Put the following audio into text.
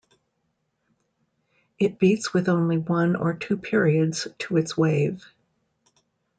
It beats with only one or two periods to its wave.